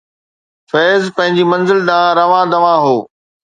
فيض پنهنجي منزل ڏانهن روان دوان هو